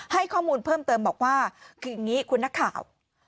ให้ข้อมูลเพิ่มเติมบอกว่าคืออย่างนี้คุณนักข่าว